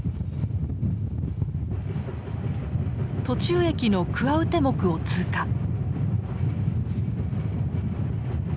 途中駅のクアウテモクを通過。